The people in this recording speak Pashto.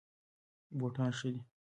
بوټان ښه دي.